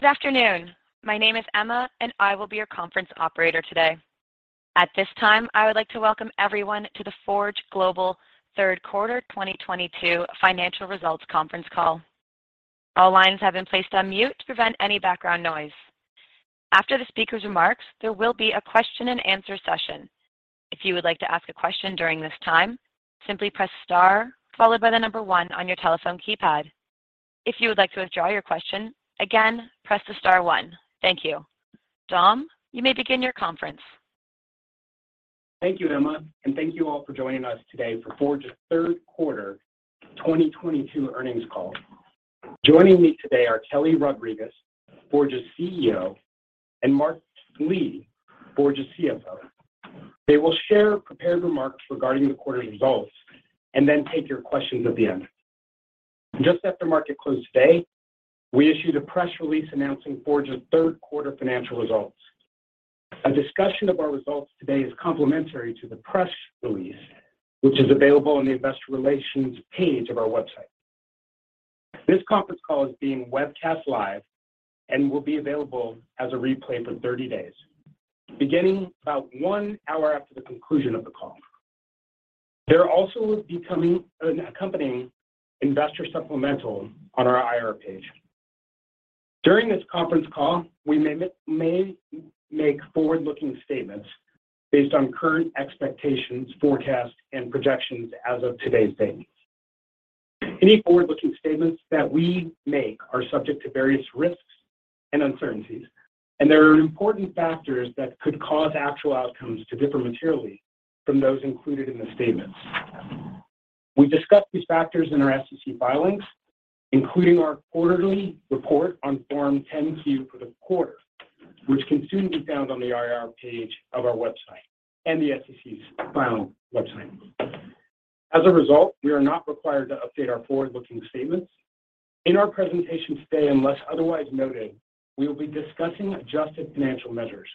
Good afternoon. My name is Emma, and I will be your conference operator today. At this time, I would like to welcome everyone to the Forge Global third quarter 2022 financial results conference call. All lines have been placed on mute to prevent any background noise. After the speaker's remarks, there will be a question-and-answer session. If you would like to ask a question during this time, simply press star followed by one on your telephone keypad. If you would like to withdraw your question, again, press the star one. Thank you. Dom, you may begin your conference. Thank you, Emma, and thank you all for joining us today for Forge's third quarter 2022 earnings call. Joining me today are Kelly Rodriques, Forge's CEO, and Mark Lee, Forge's CFO. They will share prepared remarks regarding the quarter results and then take your questions at the end. Just after market close today, we issued a press release announcing Forge's third quarter financial results. A discussion of our results today is complementary to the press release, which is available on the investor relations page of our website. This conference call is being webcast live and will be available as a replay for 30 days, beginning about 1 hour after the conclusion of the call. There also is an accompanying investor supplemental on our IR page. During this conference call, we may make forward-looking statements based on current expectations, forecasts, and projections as of today's date. Any forward-looking statements that we make are subject to various risks and uncertainties, and there are important factors that could cause actual outcomes to differ materially from those included in the statements. We discuss these factors in our SEC filings, including our quarterly report on Form 10-Q for the quarter, which can soon be found on the IR page of our website and the SEC's filing website. As a result, we are not required to update our forward-looking statements. In our presentation today, unless otherwise noted, we will be discussing adjusted financial measures,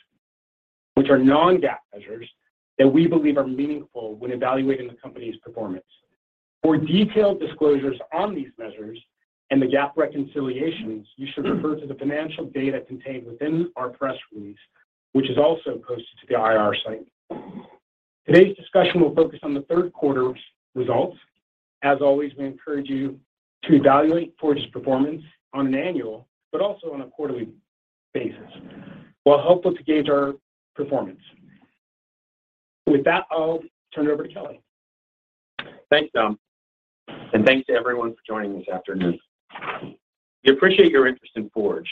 which are non-GAAP measures that we believe are meaningful when evaluating the company's performance. For detailed disclosures on these measures and the GAAP reconciliations, you should refer to the financial data contained within our press release, which is also posted to the IR site. Today's discussion will focus on the third quarter results. As always, we encourage you to evaluate Forge's performance on an annual but also on a quarterly basis. We'll hope to gauge our performance. With that, I'll turn it over to Kelly. Thanks, Dom, and thanks to everyone for joining this afternoon. We appreciate your interest in Forge.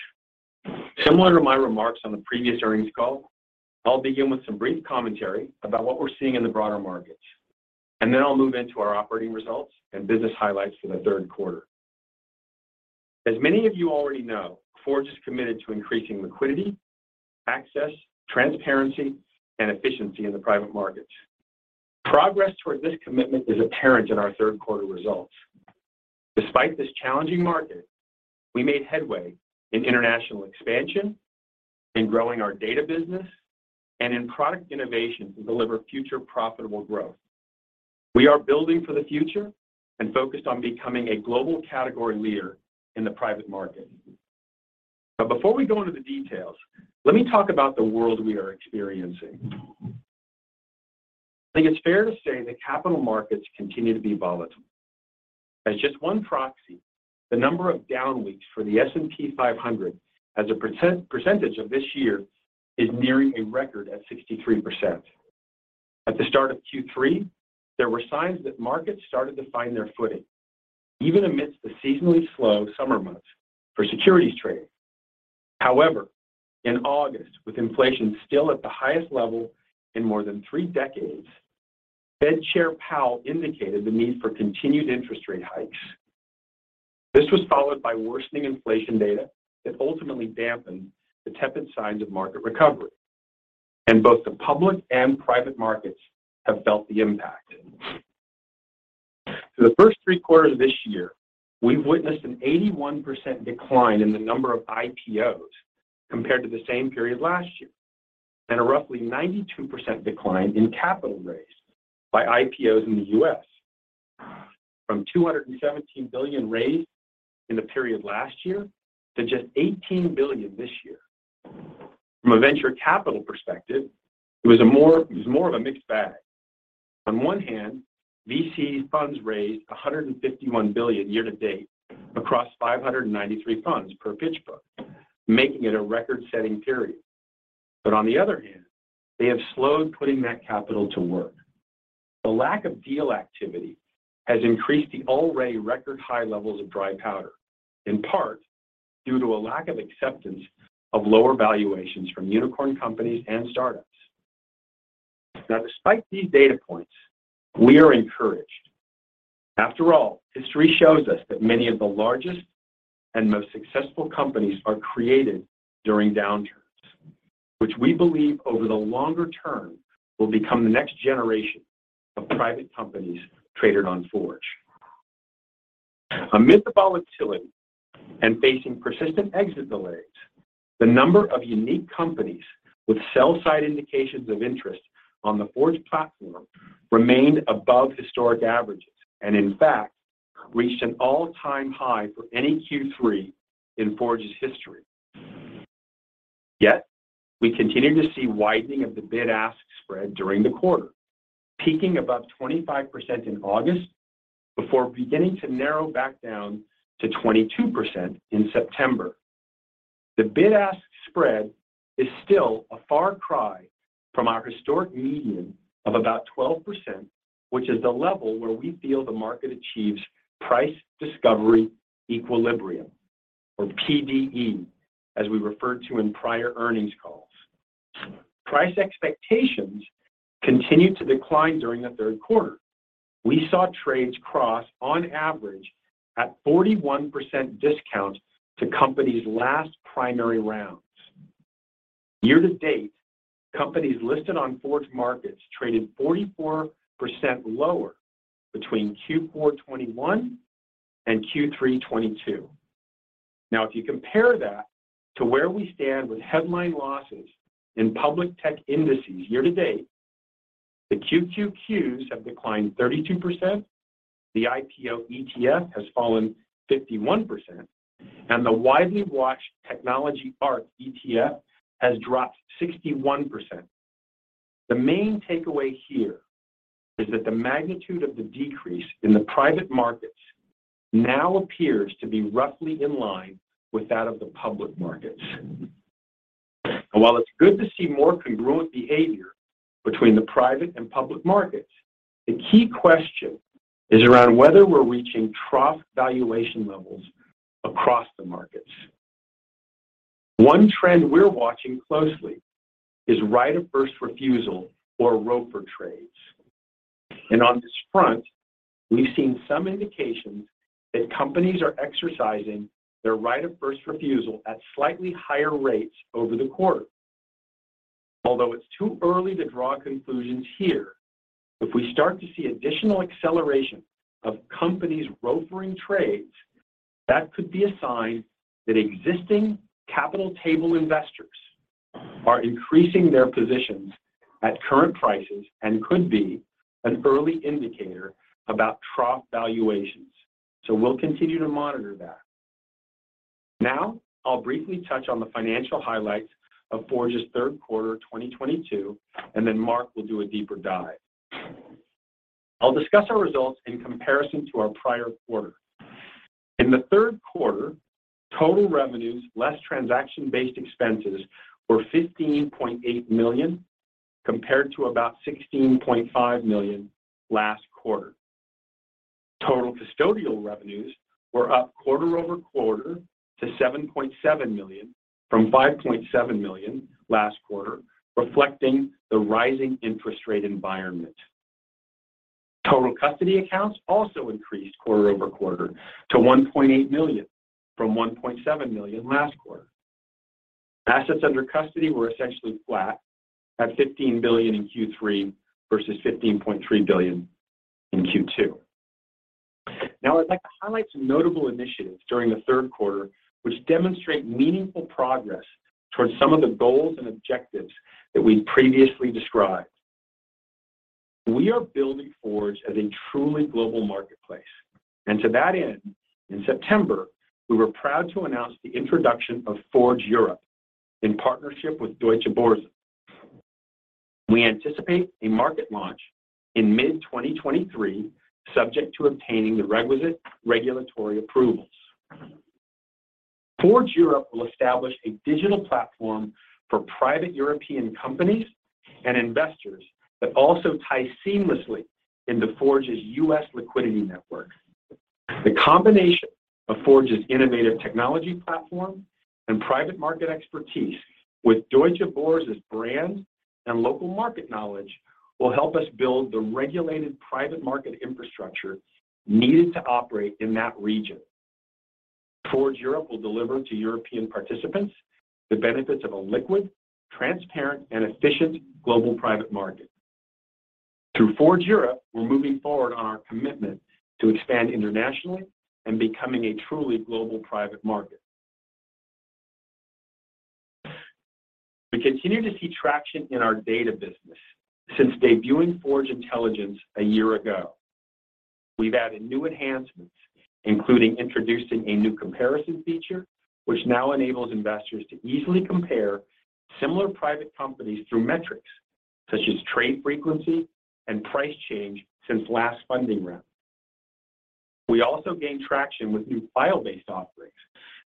Similar to my remarks on the previous earnings call, I'll begin with some brief commentary about what we're seeing in the broader markets, and then I'll move into our operating results and business highlights for the third quarter. As many of you already know, Forge is committed to increasing liquidity, access, transparency, and efficiency in the private markets. Progress towards this commitment is apparent in our third quarter results. Despite this challenging market, we made headway in international expansion, in growing our data business, and in product innovation to deliver future profitable growth. We are building for the future and focused on becoming a global category leader in the private market. Before we go into the details, let me talk about the world we are experiencing. I think it's fair to say that capital markets continue to be volatile. As just one proxy, the number of down weeks for the S&P 500 as a percentage of this year is nearing a record at 63%. At the start of Q3, there were signs that markets started to find their footing, even amidst the seasonally slow summer months for securities trading. However, in August, with inflation still at the highest level in more than three decades, Fed Chair Powell indicated the need for continued interest rate hikes. This was followed by worsening inflation data that ultimately dampened the tepid signs of market recovery. Both the public and private markets have felt the impact. Through the first three quarters of this year, we've witnessed an 81% decline in the number of IPOs compared to the same period last year, and a roughly 92% decline in capital raised by IPOs in the U.S. from $217 billion raised in the period last year to just $18 billion this year. From a venture capital perspective, it was more of a mixed bag. On one hand, VC funds raised $151 billion year-to-date across 593 funds per PitchBook, making it a record-setting period. On the other hand, they have slowed putting that capital to work. The lack of deal activity has increased the already record high levels of dry powder, in part due to a lack of acceptance of lower valuations from unicorn companies and startups. Now, despite these data points, we are encouraged. After all, history shows us that many of the largest and most successful companies are created during downturns, which we believe over the longer term will become the next generation of private companies traded on Forge. Amid the volatility and facing persistent exit delays, the number of unique companies with sell side indications of interest on the Forge platform remained above historic averages and, in fact, reached an all-time high for any Q3 in Forge's history. Yet, we continue to see widening of the bid-ask spread during the quarter, peaking above 25% in August before beginning to narrow back down to 22% in September. The bid-ask spread is still a far cry from our historic median of about 12%, which is the level where we feel the market achieves price-discovery equilibrium, or PDE, as we referred to in prior earnings calls. Price expectations continued to decline during the third quarter. We saw trades cross on average at 41% discount to companies' last primary rounds. Year-to-date, companies listed on Forge Markets traded 44% lower between Q4 2021 and Q3 2022. Now, if you compare that to where we stand with headline losses in public tech indices year-to-date, the QQQs have declined 32%, the IPO ETF has fallen 51%, and the widely watched technology ARK ETF has dropped 61%. The main takeaway here is that the magnitude of the decrease in the private markets now appears to be roughly in line with that of the public markets. While it's good to see more congruent behavior between the private and public markets, the key question is around whether we're reaching trough valuation levels across the markets. One trend we're watching closely is right of first refusal or ROFR trades. On this front, we've seen some indications that companies are exercising their right of first refusal at slightly higher rates over the quarter. Although it's too early to draw conclusions here, if we start to see additional acceleration of companies ROFR-ing trades, that could be a sign that existing capital table investors are increasing their positions at current prices and could be an early indicator about trough valuations. We'll continue to monitor that. Now, I'll briefly touch on the financial highlights of Forge's third quarter, 2022, and then Mark will do a deeper dive. I'll discuss our results in comparison to our prior quarter. In the third quarter, total revenues less transaction-based expenses were $15.8 million, compared to about $16.5 million last quarter. Total custodial revenues were up quarter-over-quarter to $7.7 million from $5.7 million last quarter, reflecting the rising interest rate environment. Total custody accounts also increased quarter-over-quarter to 1.8 million from 1.7 million last quarter. Assets under custody were essentially flat at $15 billion in Q3 versus $15.3 billion in Q2. Now, I'd like to highlight some notable initiatives during the third quarter which demonstrate meaningful progress towards some of the goals and objectives that we've previously described. We are building Forge as a truly global marketplace. To that end, in September, we were proud to announce the introduction of Forge Europe in partnership with Deutsche Börse. We anticipate a market launch in mid-2023, subject to obtaining the requisite regulatory approvals. Forge Europe will establish a digital platform for private European companies and investors that also tie seamlessly into Forge's U.S. liquidity network. The combination of Forge's innovative technology platform and private market expertise with Deutsche Börse's brand and local market knowledge will help us build the regulated private market infrastructure needed to operate in that region. Forge Europe will deliver to European participants the benefits of a liquid, transparent, and efficient global private market. Through Forge Europe, we're moving forward on our commitment to expand internationally and becoming a truly global private market. We continue to see traction in our data business since debuting Forge Intelligence a year ago. We've added new enhancements, including introducing a new comparison feature, which now enables investors to easily compare similar private companies through metrics such as trade frequency and price change since last funding round. We also gained traction with new file-based offerings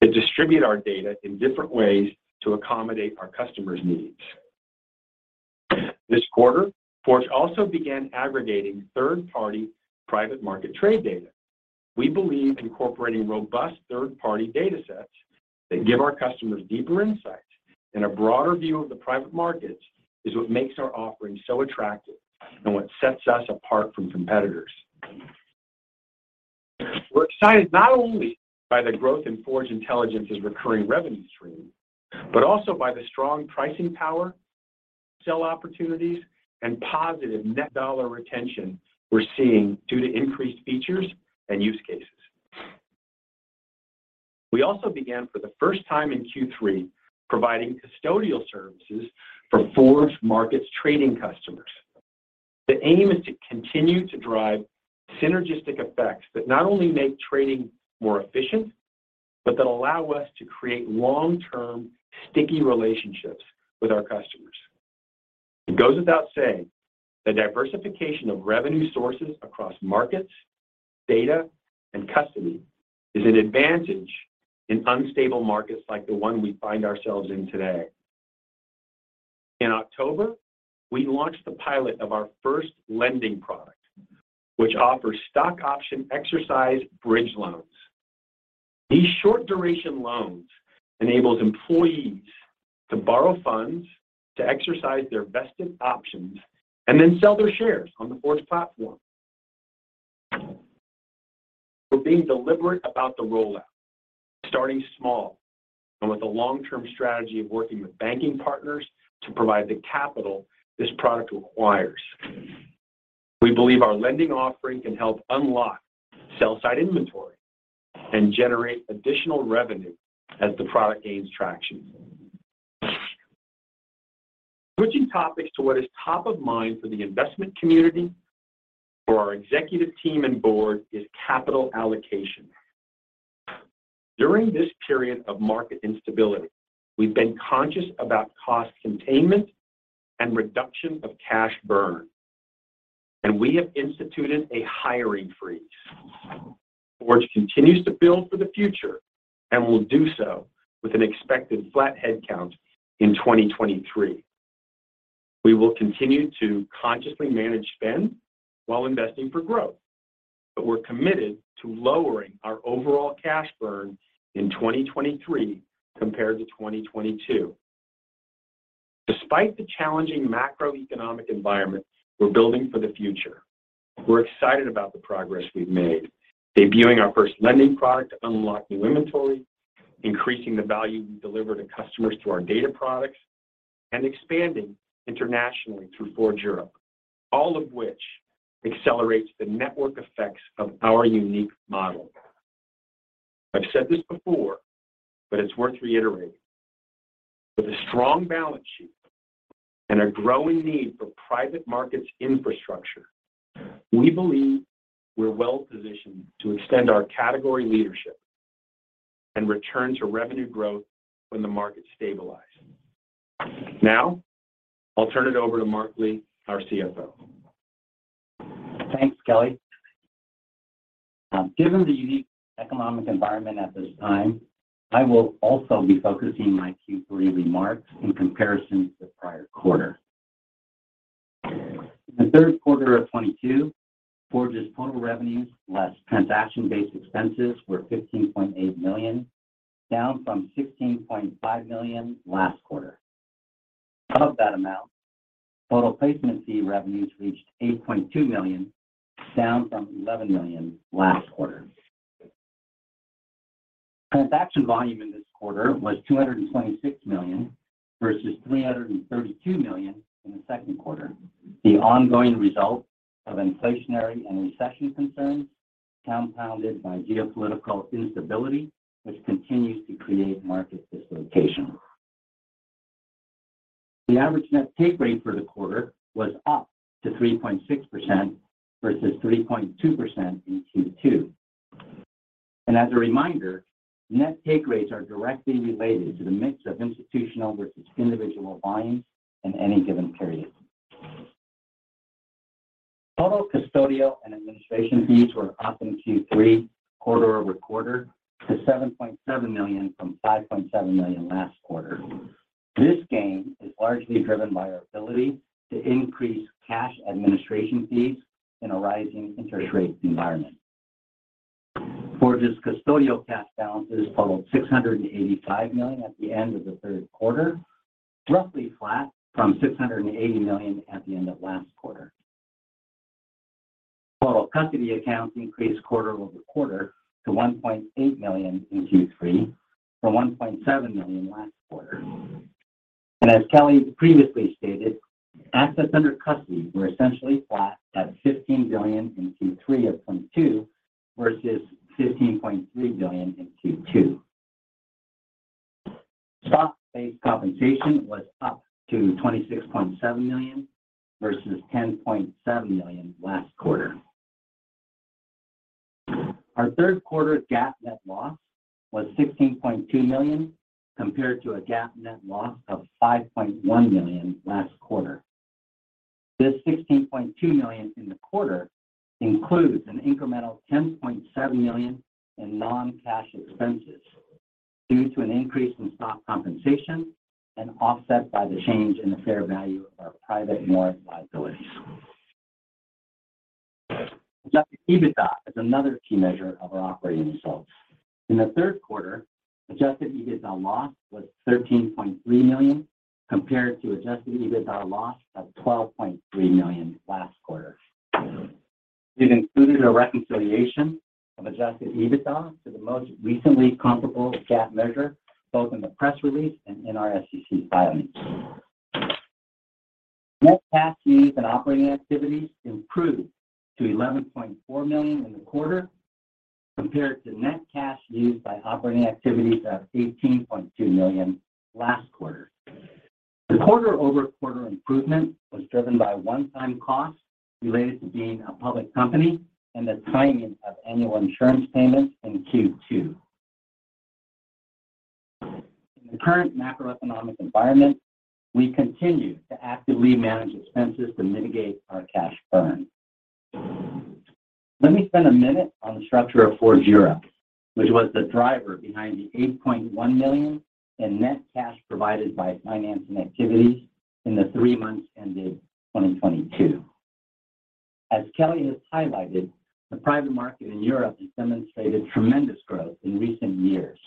that distribute our data in different ways to accommodate our customers' needs. This quarter, Forge also began aggregating third-party private market trade data. We believe incorporating robust third-party datasets that give our customers deeper insight and a broader view of the private markets is what makes our offering so attractive and what sets us apart from competitors. We're excited not only by the growth in Forge Intelligence's recurring revenue stream, but also by the strong pricing power, upsell opportunities, and positive net dollar retention we're seeing due to increased features and use cases. We also began for the first time in Q3 providing custodial services for Forge Markets trading customers. The aim is to continue to drive synergistic effects that not only make trading more efficient, but that allow us to create long-term sticky relationships with our customers. It goes without saying, the diversification of revenue sources across markets, data, and custody is an advantage in unstable markets like the one we find ourselves in today. In October, we launched the pilot of our first lending product, which offers stock option exercise bridge loans. These short-duration loans enables employees to borrow funds to exercise their vested options and then sell their shares on the Forge platform. We're being deliberate about the rollout, starting small, and with a long-term strategy of working with banking partners to provide the capital this product requires. We believe our lending offering can help unlock sell-side inventory and generate additional revenue as the product gains traction. Switching topics to what is top of mind for the investment community, for our executive team and board is capital allocation. During this period of market instability, we've been conscious about cost containment and reduction of cash burn, and we have instituted a hiring freeze. Forge continues to build for the future and will do so with an expected flat headcount in 2023. We will continue to consciously manage spend while investing for growth, but we're committed to lowering our overall cash burn in 2023 compared to 2022. Despite the challenging macroeconomic environment, we're building for the future. We're excited about the progress we've made, debuting our first lending product to unlock new inventory, increasing the value we deliver to customers through our data products, and expanding internationally through Forge Europe, all of which accelerates the network effects of our unique model. I've said this before, but it's worth reiterating. With a strong balance sheet and a growing need for private markets infrastructure, we believe we're well-positioned to extend our category leadership and return to revenue growth when the market stabilizes. Now, I'll turn it over to Mark Lee, our CFO. Thanks, Kelly. Given the unique economic environment at this time, I will also be focusing my Q3 remarks in comparison to the prior quarter. In the third quarter of 2022, Forge's total revenues less transaction-based expenses were $15.8 million, down from $16.5 million last quarter. Of that amount, total placement fee revenues reached $8.2 million, down from $11 million last quarter. Transaction volume in this quarter was $226 million versus $332 million in the second quarter, the ongoing result of inflationary and recession concerns compounded by geopolitical instability, which continues to create market dislocation. The average net take rate for the quarter was up to 3.6% versus 3.2% in Q2. As a reminder, net take rates are directly related to the mix of institutional versus individual volumes in any given period. Total custodial and administration fees were up in Q3 quarter-over-quarter to $7.7 million from $5.7 million last quarter. This gain is largely driven by our ability to increase cash administration fees in a rising interest rate environment. Forge's custodial cash balances totaled $685 million at the end of the third quarter, roughly flat from $680 million at the end of last quarter. Total custody accounts increased quarter-over-quarter to 1.8 million in Q3 from 1.7 million last quarter. As Kelly previously stated, assets under custody were essentially flat at $15 billion in Q3 of 2022 versus $15.3 billion in Q2. Stock-based compensation was up to $26.7 million versus $10.7 million last quarter. Our third quarter GAAP net loss was $16.2 million compared to a GAAP net loss of $5.1 million last quarter. This $16.2 million in the quarter includes an incremental $10.7 million in non-cash expenses due to an increase in stock compensation and offset by the change in the fair value of our private warrant liabilities. Adjusted EBITDA is another key measure of our operating results. In the third quarter, adjusted EBITDA loss was $13.3 million compared to adjusted EBITDA loss of $12.3 million last quarter. We've included a reconciliation of adjusted EBITDA to the most recently comparable GAAP measure, both in the press release and in our SEC filings. Net cash used in operating activities improved to $11.4 million in the quarter compared to net cash used by operating activities of $18.2 million last quarter. The quarter-over-quarter improvement was driven by one-time costs related to being a public company and the timing of annual insurance payments in Q2. In the current macroeconomic environment, we continue to actively manage expenses to mitigate our cash burn. Let me spend a minute on the structure of Forge Europe, which was the driver behind the $8.1 million in net cash provided by financing activities in the three months ended 2022. As Kelly has highlighted, the private market in Europe has demonstrated tremendous growth in recent years.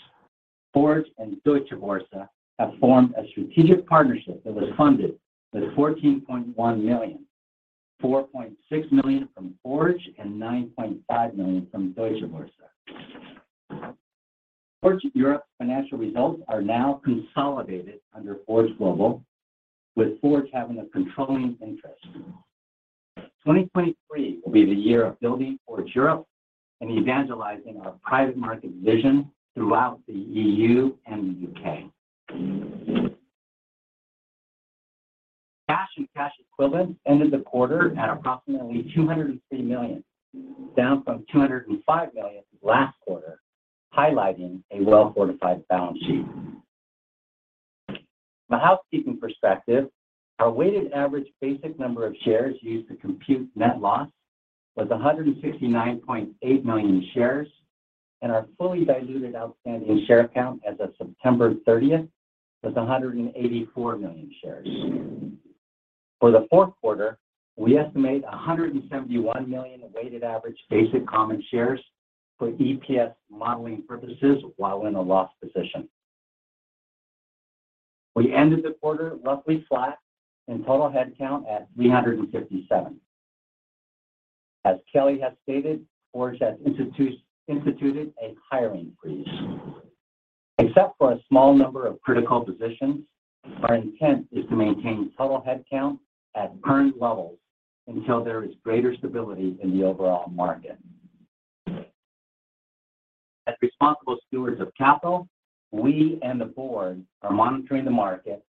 Forge and Deutsche Börse have formed a strategic partnership that was funded with $14.1 million, $4.6 million from Forge and $9.5 million from Deutsche Börse. Forge Europe financial results are now consolidated under Forge Global, with Forge having a controlling interest. 2023 will be the year of building Forge Europe and evangelizing our private market vision throughout the E.U. and the U.K. Cash and cash equivalents ended the quarter at approximately $203 million, down from $205 million last quarter, highlighting a well-fortified balance sheet. From a housekeeping perspective, our weighted average basic number of shares used to compute net loss was 169.8 million shares, and our fully diluted outstanding share count as of September 30 was 184 million shares. For the fourth quarter, we estimate 171 million weighted average basic common shares for EPS modeling purposes while in a loss position. We ended the quarter roughly flat in total head count at 357. As Kelly has stated, Forge has instituted a hiring freeze. Except for a small number of critical positions, our intent is to maintain total head count at current levels until there is greater stability in the overall market. As responsible stewards of capital, we and the board are monitoring the market,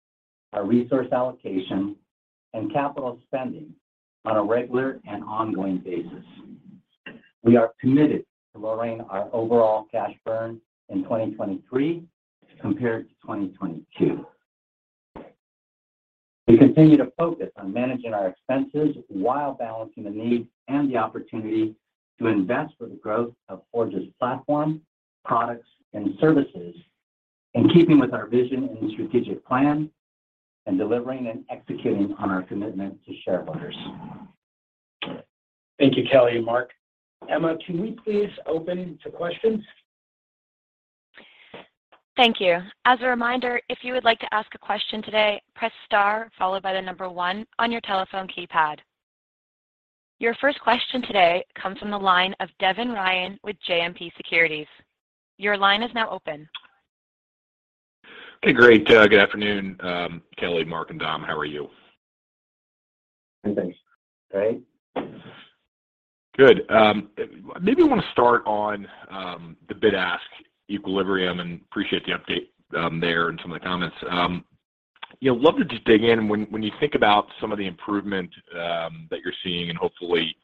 our resource allocation, and capital spending on a regular and ongoing basis. We are committed to lowering our overall cash burn in 2023 compared to 2022. We continue to focus on managing our expenses while balancing the need and the opportunity to invest for the growth of Forge's platform, products, and services in keeping with our vision and strategic plan and delivering and executing on our commitment to shareholders. Thank you, Kelly and Mark. Emma, can we please open to questions? Thank you. As a reminder, if you would like to ask a question today, press star followed by the number one on your telephone keypad. Your first question today comes from the line of Devin Ryan with JMP Securities. Your line is now open. Okay, great. Good afternoon, Kelly, Mark, and Dom. How are you? Fine, thanks. Great. Good. Maybe want to start on the bid-ask equilibrium and appreciate the update there and some of the comments. You know, love to just dig in. When you think about some of the improvement that you're seeing and hopefully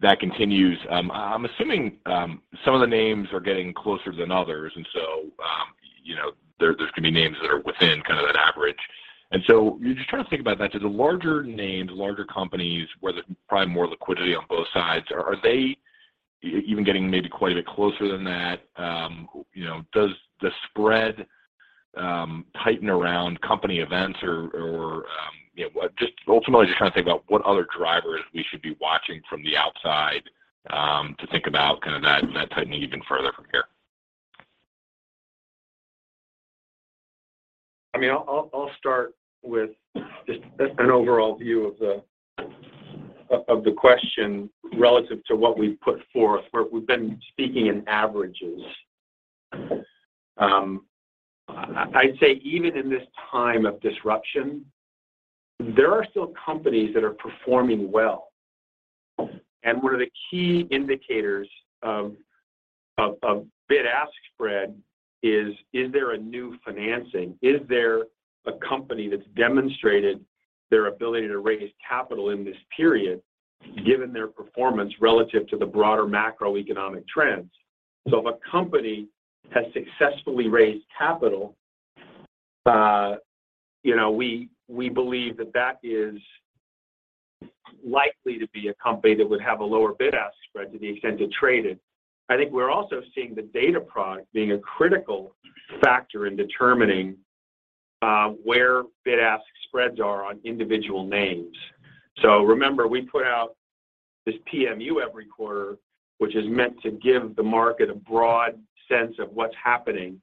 that continues, I'm assuming some of the names are getting closer than others and so you know, there's gonna be names that are within kind of that average. You're just trying to think about that. Do the larger names, larger companies, where there's probably more liquidity on both sides, are they even getting maybe quite a bit closer than that? You know, does the spread tighten around company events or you know, just ultimately just trying to think about what other drivers we should be watching from the outside, to think about kind of that tightening even further from here? I mean, I'll start with just an overall view of the question relative to what we've put forth, where we've been speaking in averages. I'd say even in this time of disruption, there are still companies that are performing well. One of the key indicators of bid-ask spread is there a new financing? Is there a company that's demonstrated their ability to raise capital in this period given their performance relative to the broader macroeconomic trends? If a company has successfully raised capital, you know, we believe that is likely to be a company that would have a lower bid-ask spread to the extent they're traded. I think we're also seeing the data product being a critical factor in determining where bid-ask spreads are on individual names. Remember, we put out this PMU every quarter, which is meant to give the market a broad sense of what's happening.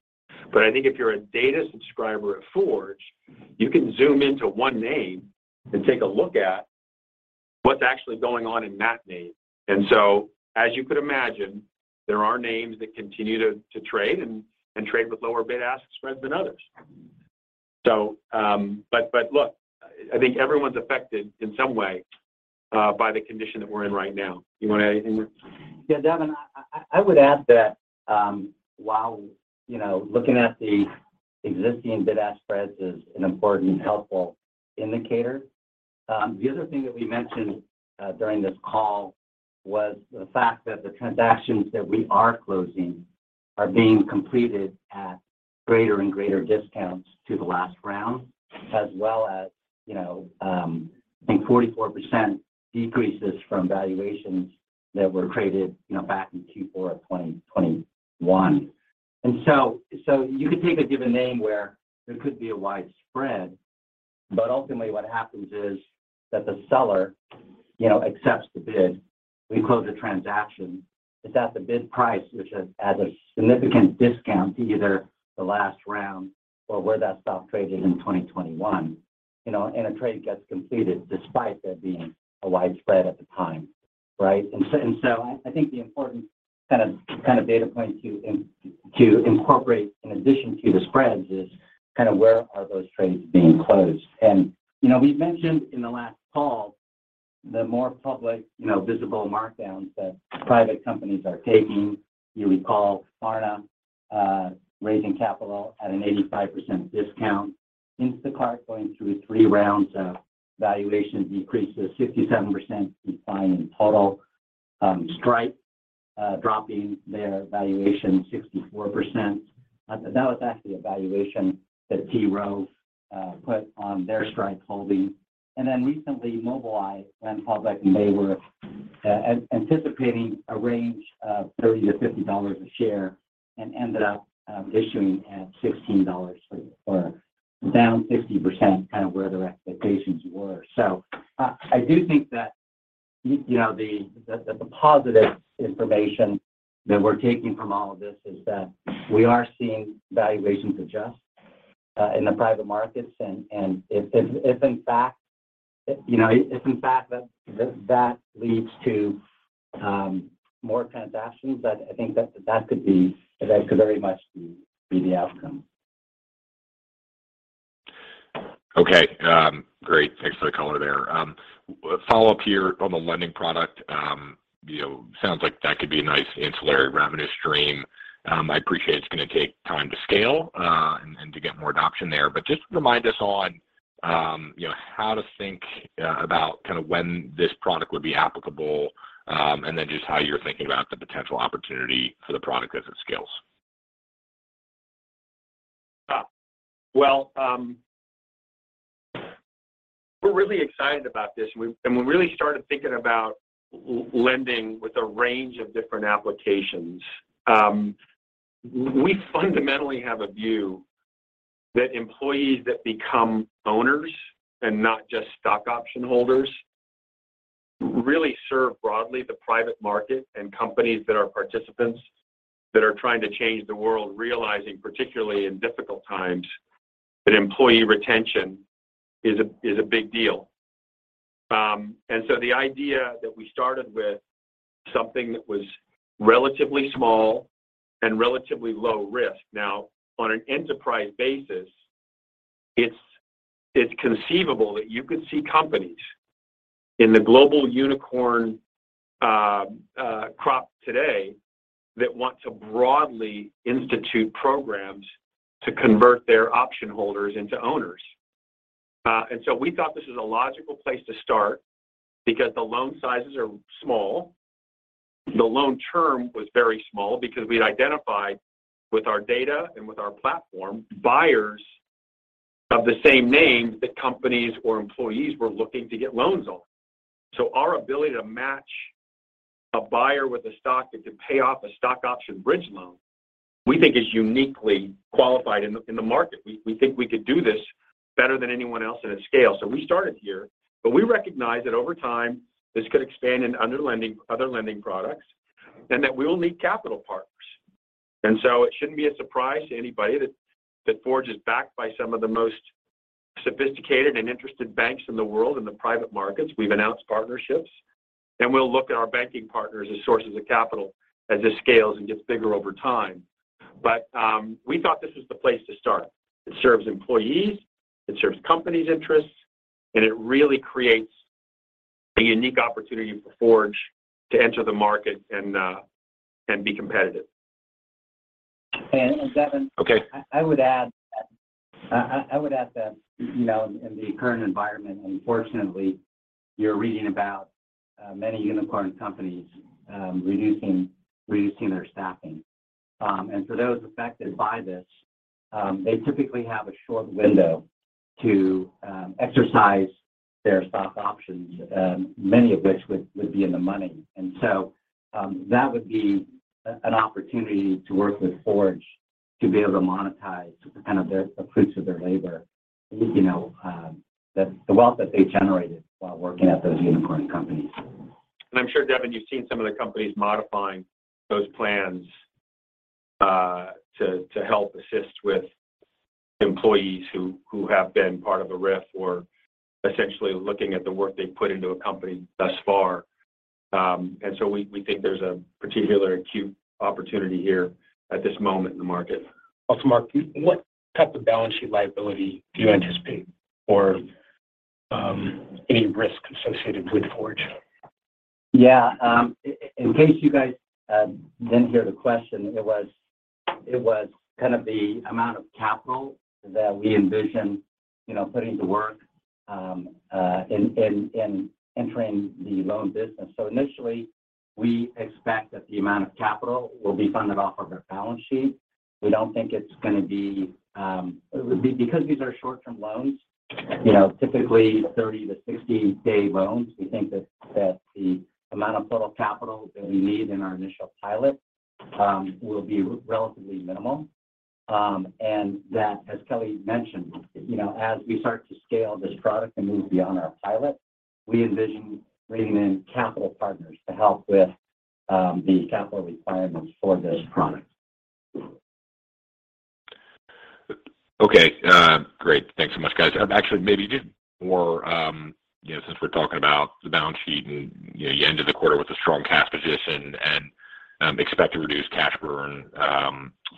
I think if you're a data subscriber at Forge, you can zoom into one name and take a look at what's actually going on in that name. As you could imagine, there are names that continue to trade and trade with lower bid-ask spreads than others. Look, I think everyone's affected in some way by the condition that we're in right now. You wanna add anything, Mark? Yeah, Devin, I would add that, while you know, looking at the existing bid-ask spreads is an important helpful indicator, the other thing that we mentioned during this call was the fact that the transactions that we are closing are being completed at greater and greater discounts to the last round, as well as, you know, I think 44% decreases from valuations that were created, you know, back in Q4 of 2021. You could take a given name where there could be a wide spread, but ultimately what happens is that the seller, you know, accepts the bid. We close a transaction. It's at the bid price, which is at a significant discount to either the last round or where that stock traded in 2021. You know, a trade gets completed despite there being a wide spread at the time, right? I think the important kind of data point to incorporate in addition to the spreads is kind of where are those trades being closed. You know, we've mentioned in the last call the more public, you know, visible markdowns that private companies are taking. You recall Figma raising capital at an 85% discount. Instacart going through three rounds of valuation decreases, 67% decline in total. Stripe dropping their valuation 64%. That was actually a valuation that T. Rowe Price put on their Stripe holding. Recently Mobileye went public, and they were anticipating a range of $30-$50 a share and ended up issuing at $16 or down 50%, kind of where their expectations were. I do think that, you know, the positive information that we're taking from all of this is that we are seeing valuations adjust in the private markets. If in fact, you know, if in fact that leads to more transactions, I think that could very much be the outcome. Okay. Great. Thanks for the color there. Follow-up here on the lending product. You know, sounds like that could be a nice ancillary revenue stream. I appreciate it's gonna take time to scale, and to get more adoption there. But just remind us on, you know, how to think about kind of when this product would be applicable, and then just how you're thinking about the potential opportunity for the product as it scales. Well, we're really excited about this, and we really started thinking about lending with a range of different applications. We fundamentally have a view that employees that become owners and not just stock option holders really serve broadly the private market and companies that are participants that are trying to change the world, realizing, particularly in difficult times, that employee retention is a big deal. The idea that we started with something that was relatively small and relatively low risk. Now on an enterprise basis, it's conceivable that you could see companies in the global unicorn crop today that want to broadly institute programs to convert their option holders into owners. We thought this is a logical place to start because the loan sizes are small. The loan term was very small because we'd identified with our data and with our platform buyers of the same name that companies or employees were looking to get loans on. Our ability to match a buyer with a stock that could pay off a stock option bridge loan, we think is uniquely qualified in the market. We think we could do this better than anyone else at a scale. We started here, but we recognize that over time this could expand in other lending products, and that we will need capital partners. It shouldn't be a surprise to anybody that Forge is backed by some of the most sophisticated and interested banks in the world in the private markets. We've announced partnerships, and we'll look at our banking partners as sources of capital as this scales and gets bigger over time. We thought this was the place to start. It serves employees, it serves companies' interests, and it really creates a unique opportunity for Forge to enter the market and be competitive. Devin. Okay. I would add that, you know, in the current environment, unfortunately, you're reading about many unicorn companies reducing their staffing. For those affected by this, they typically have a short window to exercise their stock options, many of which would be in the money. That would be an opportunity to work with Forge to be able to monetize kind of the fruits of their labor. You know, the wealth that they generated while working at those unicorn companies. I'm sure, Devin, you've seen some of the companies modifying those plans, to help assist with employees who have been part of a RIF or essentially looking at the work they've put into a company thus far. We think there's a particular acute opportunity here at this moment in the market. Also, Mark, what type of balance sheet liability do you anticipate or, any risk associated with Forge? Yeah. In case you guys didn't hear the question, it was kind of the amount of capital that we envision, you know, putting to work in entering the loan business. Initially, we expect that the amount of capital will be funded off of our balance sheet. We don't think it's gonna be because these are short-term loans, you know, typically 30-60-day loans. We think that the amount of total capital that we need in our initial pilot will be relatively minimal. That, as Kelly mentioned, you know, as we start to scale this product and move beyond our pilot, we envision bringing in capital partners to help with the capital requirements for this product. Okay. Great. Thanks so much, guys. Actually, maybe just more, you know, since we're talking about the balance sheet and, you know, you ended the quarter with a strong cash position and expect to reduce cash burn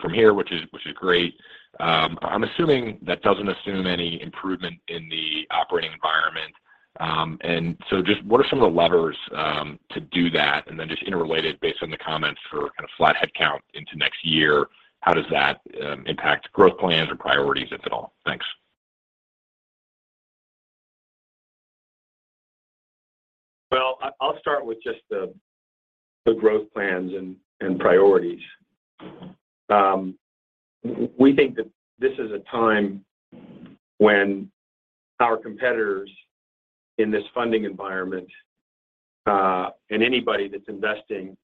from here, which is great. I'm assuming that doesn't assume any improvement in the operating environment. Just what are some of the levers to do that? Just interrelated based on the comments for kind of flat headcount into next year, how does that impact growth plans or priorities, if at all? Thanks. I'll start with just the growth plans and priorities. We think that this is a time when our competitors in this funding environment and anybody that's investing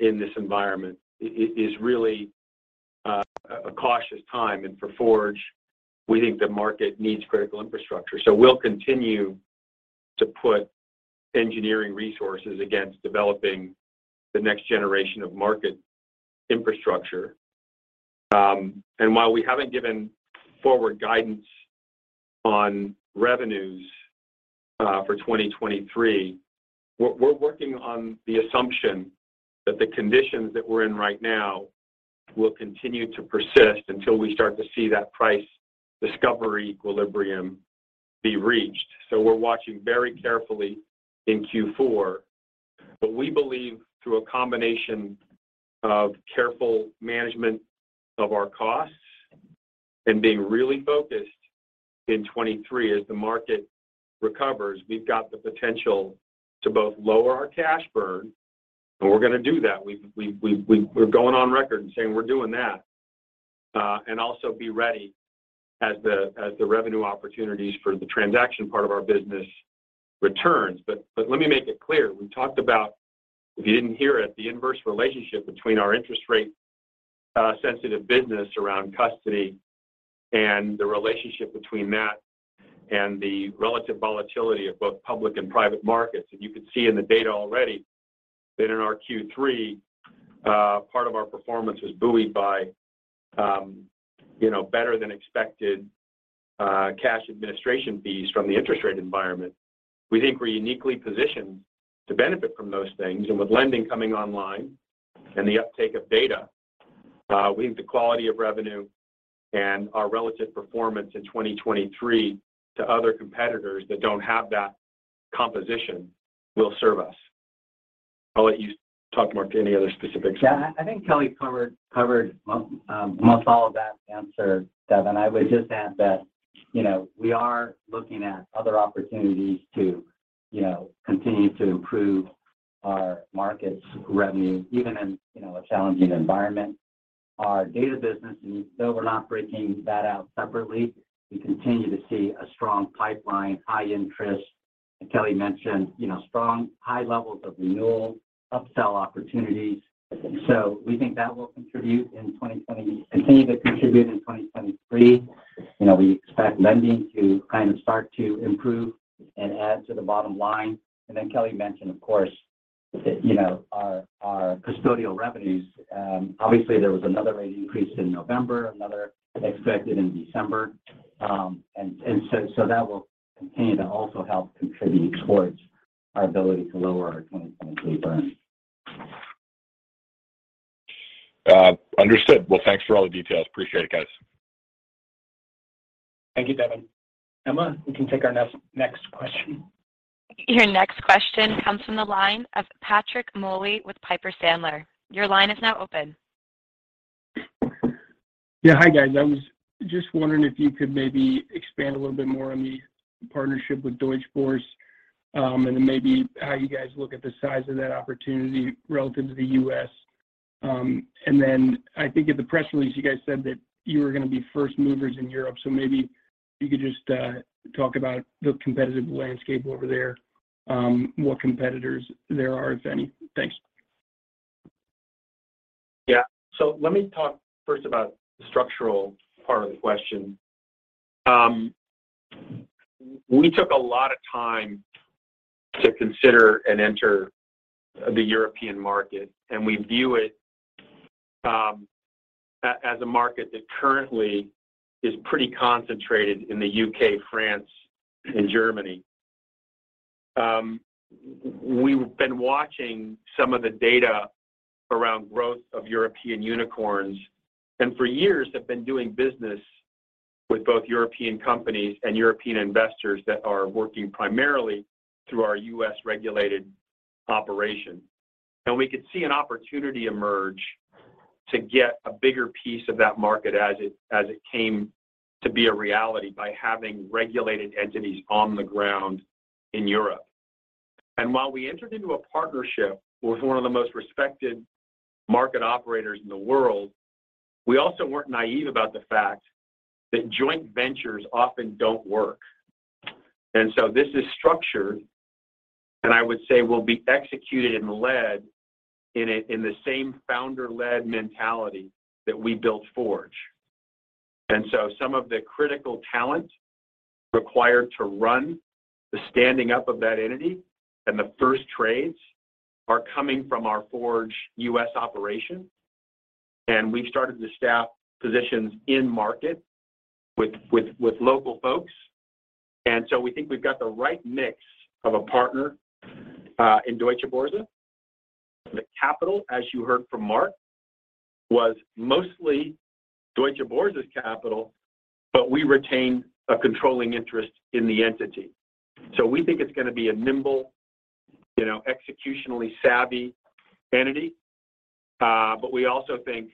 in this environment is really a cautious time. For Forge, we think the market needs critical infrastructure. We'll continue to put engineering resources against developing the next generation of market infrastructure. While we haven't given forward guidance on revenues for 2023, we're working on the assumption that the conditions that we're in right now will continue to persist until we start to see that price discovery equilibrium be reached. We're watching very carefully in Q4. We believe through a combination of careful management of our costs and being really focused in 2023 as the market recovers, we've got the potential to both lower our cash burn, and we're gonna do that. We're going on record and saying we're doing that. And also be ready as the revenue opportunities for the transaction part of our business returns. Let me make it clear, we talked about, if you didn't hear it, the inverse relationship between our interest rate sensitive business around custody and the relationship between that and the relative volatility of both public and private markets. You can see in the data already that in our Q3, part of our performance was buoyed by, you know, better than expected, cash administration fees from the interest rate environment. We think we're uniquely positioned to benefit from those things, and with lending coming online and the uptake of data, we think the quality of revenue and our relative performance in 2023 to other competitors that don't have that composition will serve us. I'll let you talk, Mark, to any other specifics. Yeah. I think Kelly covered most all of that answer, Devin. I would just add that, you know, we are looking at other opportunities to, you know, continue to improve our markets revenue even in, you know, a challenging environment. Our data business, and even though we're not breaking that out separately, we continue to see a strong pipeline, high interest. Kelly mentioned, you know, strong high levels of renewal, upsell opportunities. So we think that will continue to contribute in 2023. You know, we expect lending to kind of start to improve and add to the bottom line. Kelly mentioned, of course, that, you know, our custodial revenues, obviously there was another rate increase in November, another expected in December. That will continue to also help contribute towards our ability to lower our 2023 burn. Understood. Well, thanks for all the details. Appreciate it, guys. Thank you, Devin. Emma, we can take our next question. Your next question comes from the line of Patrick Moley with Piper Sandler. Your line is now open. Yeah. Hi, guys. I was just wondering if you could maybe expand a little bit more on the partnership with Deutsche Börse, and then maybe how you guys look at the size of that opportunity relative to the U.S. I think in the press release, you guys said that you were gonna be first movers in Europe, so maybe you could just talk about the competitive landscape over there, what competitors there are, if any. Thanks. Yeah. Let me talk first about the structural part of the question. We took a lot of time to consider and enter the European market, and we view it as a market that currently is pretty concentrated in the UK, France, and Germany. We've been watching some of the data around growth of European unicorns, and for years have been doing business with both European companies and European investors that are working primarily through our U.S.-regulated operation. We could see an opportunity emerge to get a bigger piece of that market as it came to be a reality by having regulated entities on the ground in Europe. While we entered into a partnership with one of the most respected market operators in the world, we also weren't naive about the fact that joint ventures often don't work. This is structured, and I would say will be executed and led in the same founder-led mentality that we built Forge. Some of the critical talent required to run the standing up of that entity and the first trades are coming from our Forge U.S. operation, and we've started to staff positions in market with local folks. We think we've got the right mix of a partner in Deutsche Börse. The capital, as you heard from Mark, was mostly Deutsche Börse's capital, but we retained a controlling interest in the entity. We think it's gonna be a nimble, you know, executionally savvy entity. But we also think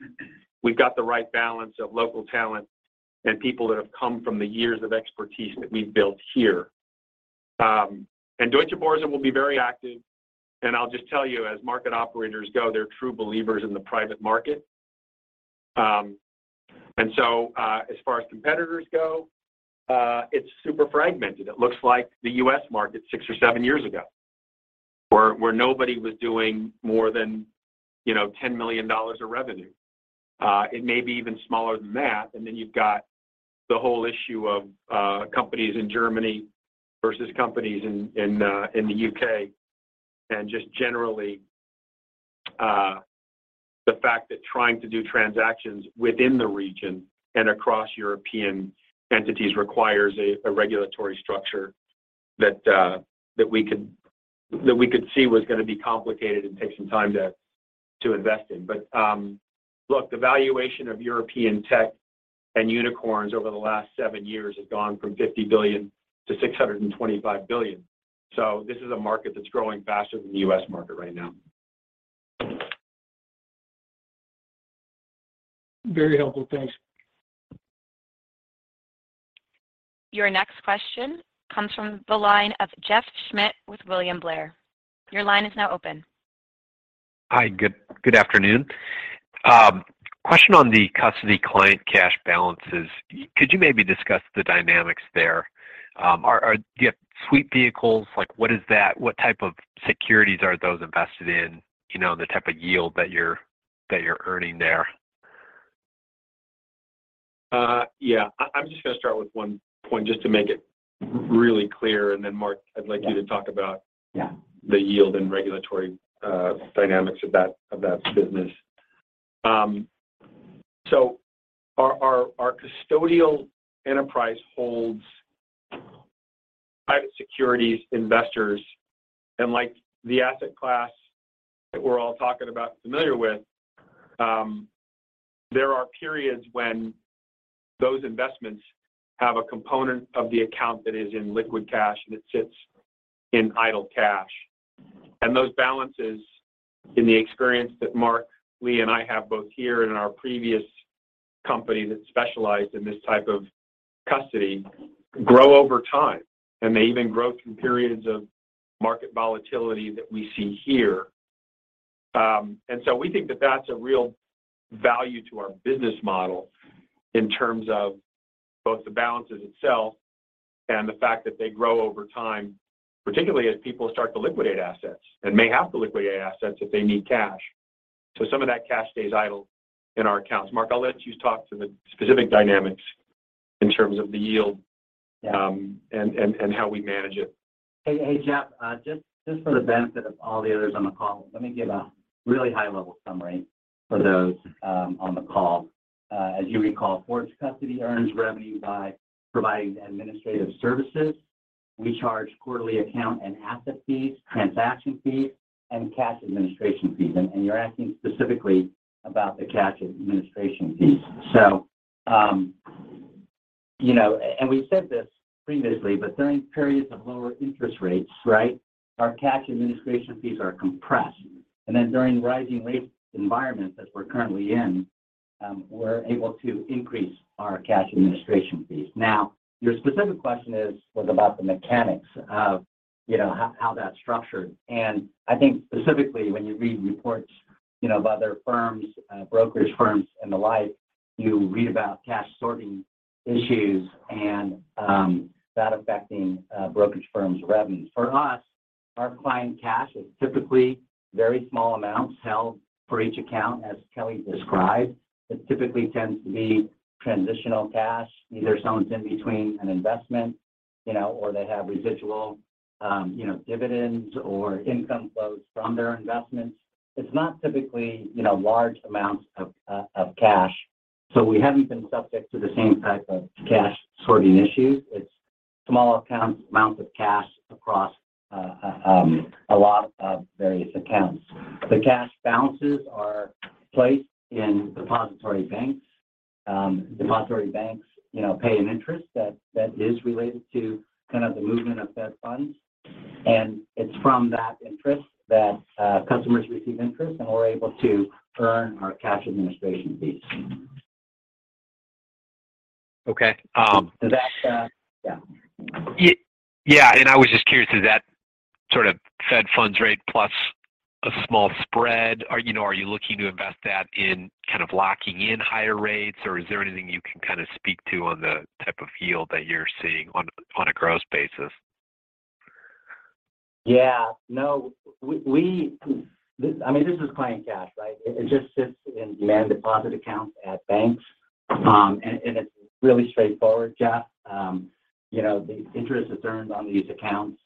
we've got the right balance of local talent and people that have come from the years of expertise that we've built here. Deutsche Börse will be very active. I'll just tell you, as market operators go, they're true believers in the private market. As far as competitors go, it's super fragmented. It looks like the U.S. market six or seven years ago where nobody was doing more than, you know, $10 million of revenue. It may be even smaller than that. Then you've got the whole issue of companies in Germany versus companies in the U.K. Just generally, the fact that trying to do transactions within the region and across European entities requires a regulatory structure that we could see was gonna be complicated and take some time to invest in. look, the valuation of European tech and unicorns over the last seven years has gone from $50 billion-$625 billion. This is a market that's growing faster than the U.S. market right now. Very helpful. Thanks. Your next question comes from the line of Jeff Schmitt with William Blair. Your line is now open. Hi. Good afternoon. Question on the custody client cash balances. Could you maybe discuss the dynamics there? Do you have sweep vehicles? Like what is that? What type of securities are those invested in? You know, the type of yield that you're earning there. I'm just gonna start with one point just to make it really clear, and then Mark, I'd like you to talk about. Yeah. The yield and regulatory dynamics of that business. Our custodial enterprise holds private securities investors. Like the asset class that we're all talking about familiar with, there are periods when those investments have a component of the account that is in liquid cash, and it sits in idle cash. Those balances, in the experience that Mark Lee and I have both here and in our previous company that specialized in this type of custody, grow over time, and they even grow through periods of market volatility that we see here. We think that that's a real value to our business model in terms of both the balances itself and the fact that they grow over time, particularly as people start to liquidate assets and may have to liquidate assets if they need cash. Some of that cash stays idle in our accounts. Mark, I'll let you talk to the specific dynamics in terms of the yield- Yeah. how we manage it. Hey, Jeff, just for the benefit of all the others on the call, let me give a really high-level summary for those on the call. As you recall, Forge Custody earns revenue by providing administrative services. We charge quarterly account and asset fees, transaction fees, and cash administration fees. You're asking specifically about the cash administration fees. We said this previously, but during periods of lower interest rates, right, our cash administration fees are compressed. Then during rising rate environments as we're currently in, we're able to increase our cash administration fees. Now, your specific question was about the mechanics of how that's structured. I think specifically when you read reports, you know, of other firms, brokerage firms and the like, you read about cash sorting issues and that affecting brokerage firms' revenues. Our client cash is typically very small amounts held for each account, as Kelly described. It typically tends to be transitional cash, either someone's in between an investment, you know, or they have residual, you know, dividends or income flows from their investments. It's not typically, you know, large amounts of cash. We haven't been subject to the same type of cash sorting issues. It's small amounts of cash across a lot of various accounts. The cash balances are placed in depository banks. Depository banks, you know, pay an interest that is related to kind of the movement of Fed funds. It's from that interest that customers receive interest, and we're able to earn our cash administration fees. Okay. Does that? Yeah. Yeah. I was just curious, is that sort of Fed funds rate plus a small spread? You know, are you looking to invest that in kind of locking in higher rates, or is there anything you can kind of speak to on the type of yield that you're seeing on a gross basis? Yeah. No. I mean, this is client cash, right? It just sits in demand deposit accounts at banks. It's really straightforward, Jeff. You know, the interest is earned on these accounts.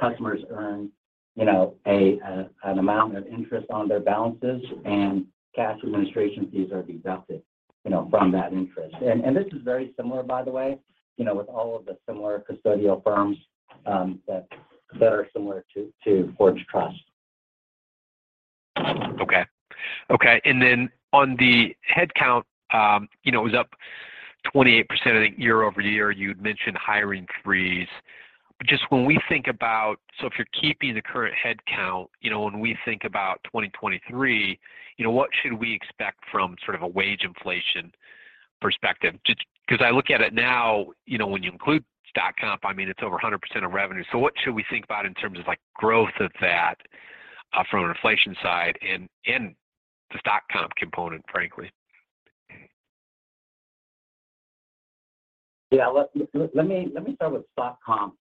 Customers earn, you know, an amount of interest on their balances, and cash administration fees are deducted, you know, from that interest. This is very similar, by the way, you know, with all of the similar custodial firms that are similar to Forge Trust. Okay. On the headcount, you know, it was up 28%, I think, year-over-year. You'd mentioned hiring freeze. Just when we think about if you're keeping the current headcount, you know, when we think about 2023, you know, what should we expect from sort of a wage inflation perspective? Just 'cause I look at it now, you know, when you include stock comp, I mean, it's over 100% of revenue. What should we think about in terms of, like, growth of that from an inflation side and the stock comp component, frankly? Yeah. Let me start with stock comp,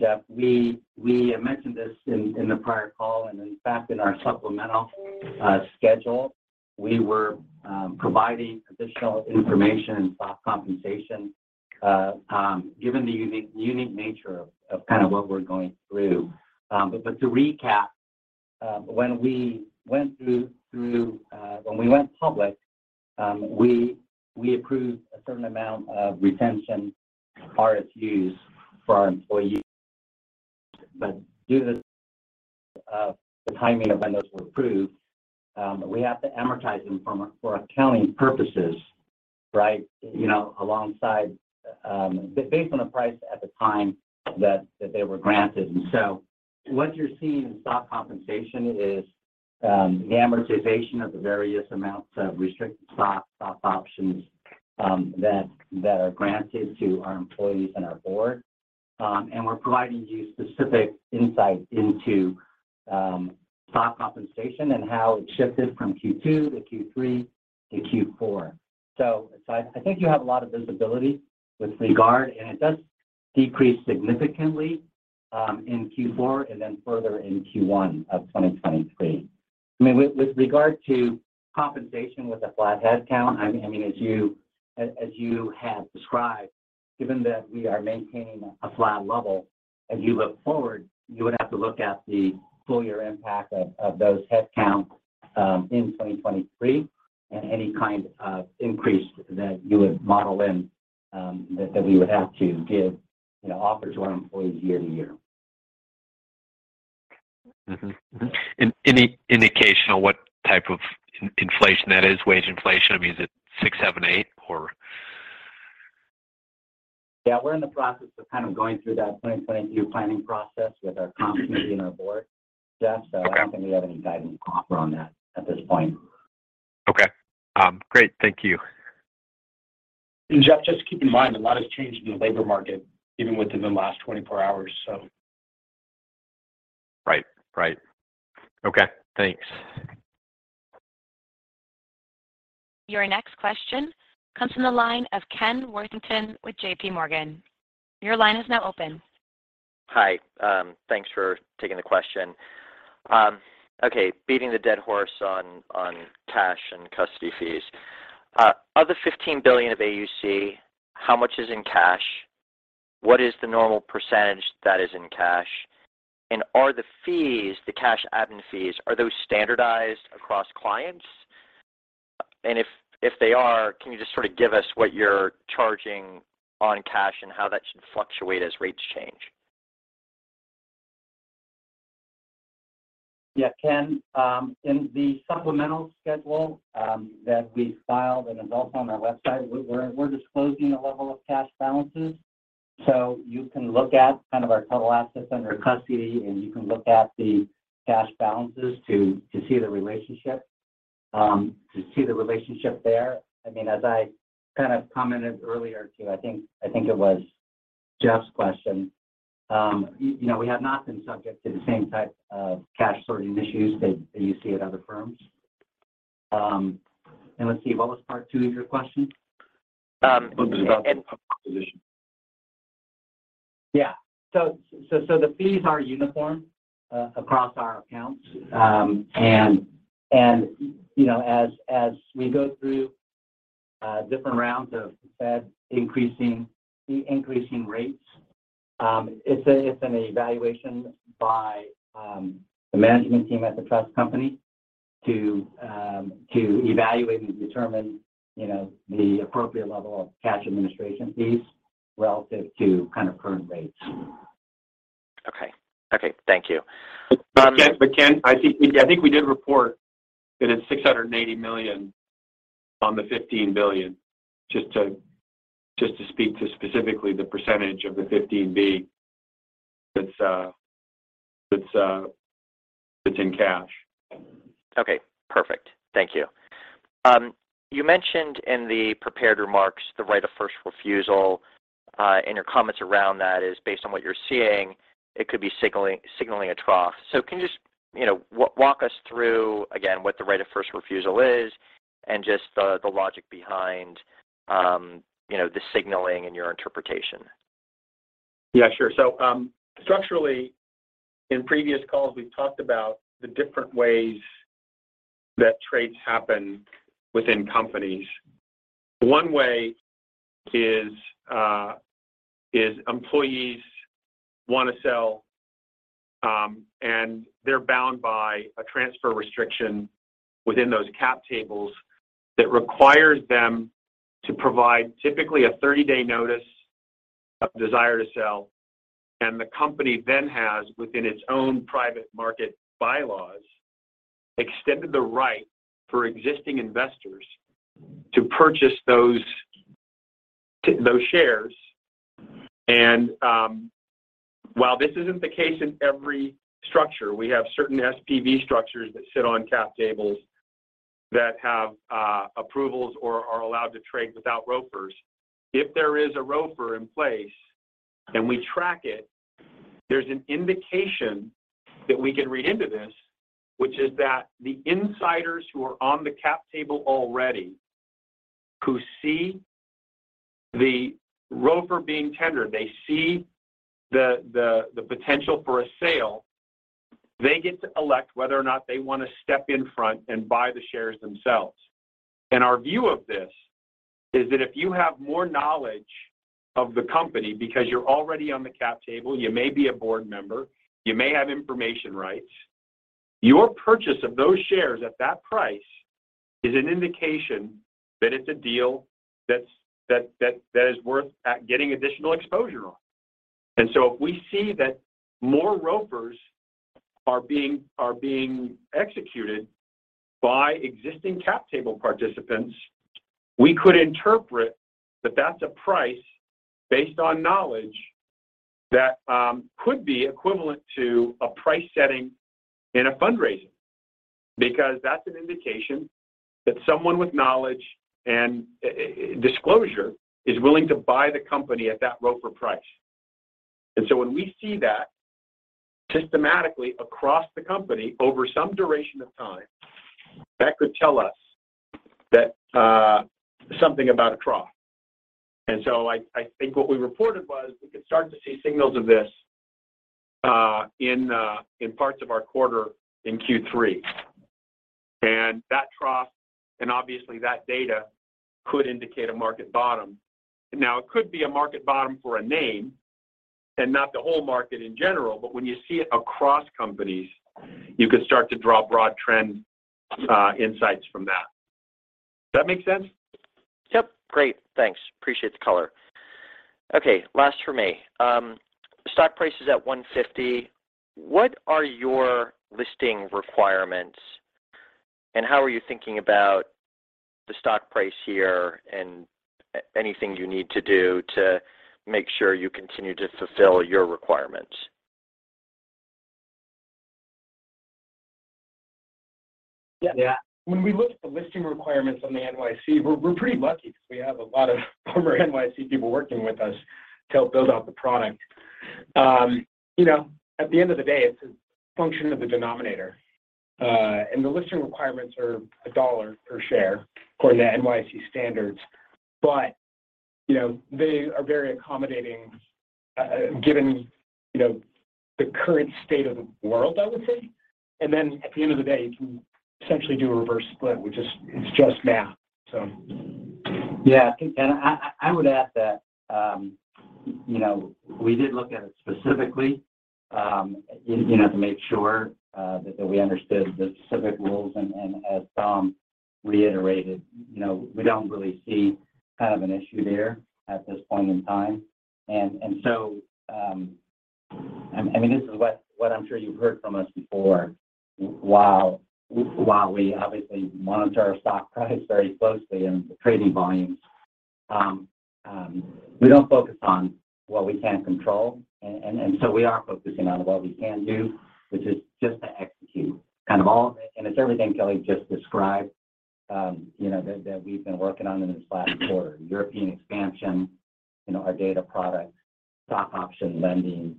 Jeff Schmitt. We mentioned this in the prior call, and in fact, in our supplemental schedule, we were providing additional information about compensation, given the unique nature of kind of what we're going through. To recap, when we went public, we approved a certain amount of retention RSUs for our employees. Due to the timing of when those were approved, we have to amortize them for accounting purposes, right, you know, alongside based on the price at the time that they were granted. What you're seeing in stock compensation is the amortization of the various amounts of restricted stock options that are granted to our employees and our board. We're providing you specific insight into stock compensation and how it shifted from Q2 to Q3 to Q4. I think you have a lot of visibility with regard, and it does decrease significantly in Q4 and then further in Q1 of 2023. I mean, with regard to compensation with a flat head count, I mean, as you have described, given that we are maintaining a flat level, as you look forward, you would have to look at the full year impact of those head counts in 2023 and any kind of increase that you would model in that we would have to give, you know, offer to our employees year-to-year. Any indication on what type of inflation that is, wage inflation? I mean, is it six, seven, eight, or? Yeah. We're in the process of kind of going through that 2022 planning process with our comp committee and our board, Jeff. Okay. I don't think we have any guidance to offer on that at this point. Okay. Great. Thank you. Jeff, just keep in mind, a lot has changed in the labor market, even within the last 24 hours, so. Right. Okay. Thanks. Your next question comes from the line of Ken Worthington with JP Morgan. Your line is now open. Hi. Thanks for taking the question. Okay, beating the dead horse on cash and custody fees. Of the $15 billion of AUC, how much is in cash? What is the normal percentage that is in cash? And are the fees, the cash admin fees, standardized across clients? And if they are, can you just sort of give us what you're charging on cash and how that should fluctuate as rates change? Yeah. Ken, in the supplemental schedule that we filed, and it's also on our website, we're disclosing a level of cash balances. You can look at kind of our total assets under custody, and you can look at the cash balances to see the relationship there. I mean, as I kind of commented earlier to I think it was Jeff's question, you know, we have not been subject to the same type of cash sorting issues that you see at other firms. Let's see, what was part two of your question? It was about the proposition. Yeah. The fees are uniform across our accounts. You know, as we go through different rounds of the Fed increasing rates, it's an evaluation by the management team at the trust company to evaluate and determine, you know, the appropriate level of cash administration fees relative to kind of current rates. Okay, thank you. Ken, I see, I think we did report that it's $680 million on the $15 billion, just to speak to specifically the percentage of the $15 billion that's in cash. Okay, perfect. Thank you. You mentioned in the prepared remarks the right of first refusal, and your comments around that is based on what you're seeing. It could be signaling a trough. Can you just, you know, walk us through again what the right of first refusal is and just the logic behind, you know, the signaling and your interpretation? Yeah, sure. Structurally, in previous calls, we've talked about the different ways that trades happen within companies. One way is employees want to sell, and they're bound by a transfer restriction within those cap tables that requires them to provide typically a 30-day notice of desire to sell. The company then has, within its own private market bylaws, extended the right for existing investors to purchase those shares. While this isn't the case in every structure, we have certain SPV structures that sit on cap tables that have approvals or are allowed to trade without ROFRs. If there is a ROFR in place, and we track it, there's an indication that we can read into this, which is that the insiders who are on the cap table already who see the ROFR being tendered, they see the potential for a sale, they get to elect whether or not they want to step in front and buy the shares themselves. Our view of this is that if you have more knowledge of the company because you're already on the cap table, you may be a board member, you may have information rights, your purchase of those shares at that price is an indication that it's a deal that is worth getting additional exposure on. If we see that more ROFRs are being executed by existing cap table participants, we could interpret that that's a price based on knowledge that could be equivalent to a price setting in a fundraising. Because that's an indication that someone with knowledge and disclosure is willing to buy the company at that ROFR price. When we see that systematically across the company over some duration of time, that could tell us that something about a trough. I think what we reported was we could start to see signals of this in parts of our quarter in Q3. That trough, and obviously that data could indicate a market bottom. Now, it could be a market bottom for a name and not the whole market in general, but when you see it across companies, you can start to draw broad trend insights from that. Does that make sense? Yep. Great. Thanks. Appreciate the color. Okay, last for me. Stock price is at $150. What are your listing requirements, and how are you thinking about the stock price here and anything you need to do to make sure you continue to fulfill your requirements? Yeah. Yeah. When we look at the listing requirements on the NYSE, we're pretty lucky because we have a lot of former NYSE people working with us to help build out the product. You know, at the end of the day, it's a function of the denominator. The listing requirements are $1 per share according to NYSE standards. You know, they are very accommodating, given, you know, the current state of the world, I would say. At the end of the day, you can essentially do a reverse split, which is just math, so. I would add that, you know, we did look at it specifically, you know, to make sure, that we understood the specific rules. As Dom reiterated, you know, we don't really see kind of an issue there at this point in time. I mean, this is what I'm sure you've heard from us before. While we obviously monitor our stock price very closely and the trading volumes, we don't focus on what we can't control. We are focusing on what we can do, which is just to execute kind of all of it. It's everything Kelly just described, you know, that we've been working on in this last quarter, European expansion, you know, our data product, stock option lending,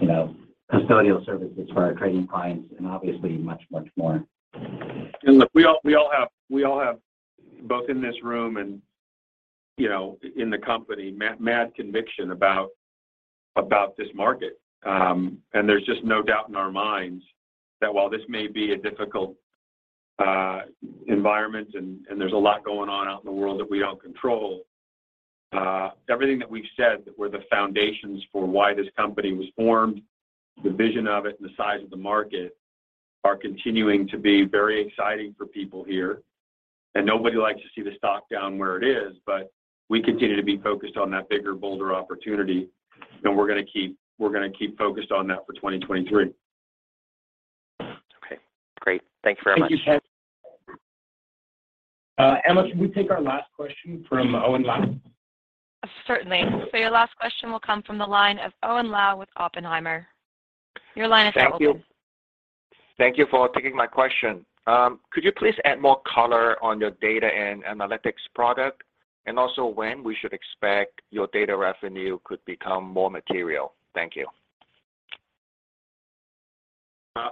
you know, custodial services for our trading clients, and obviously much more. Look, we all have both in this room and, you know, in the company, mad conviction about this market. There's just no doubt in our minds that while this may be a difficult environment and there's a lot going on out in the world that we don't control, everything that we've said that were the foundations for why this company was formed, the vision of it and the size of the market are continuing to be very exciting for people here. Nobody likes to see the stock down where it is, but we continue to be focused on that bigger, bolder opportunity, and we're gonna keep focused on that for 2023. Okay. Great. Thanks very much. Thank you, Ken. Emma, can we take our last question from Owen Lau? Certainly. Your last question will come from the line of Owen Lau with Oppenheimer. Your line is open. Thank you. Thank you for taking my question. Could you please add more color on your data and analytics product, and also when we should expect your data revenue could become more material? Thank you.